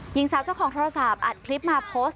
หญิงสาวเจ้าของโทรศัพท์อัดคลิปมาโพสต์